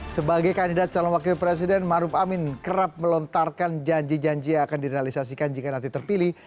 sebagai kandidat calon wakil presiden maruf amin kerap melontarkan janji janji yang akan direalisasikan jika nanti terpilih